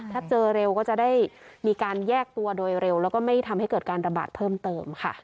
ถ้าเจอเร็วก็จะได้มีการแยกตัวโดยเร็วแล้วก็ไม่ทำให้เกิดการระบาดเพิ่มเติมค่ะ